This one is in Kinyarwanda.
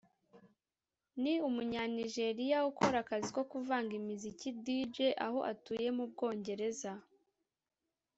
ni Umunyanigeriya ukora akazi ko kuvanga imiziki (Dj) aho atuye mu Bwongereza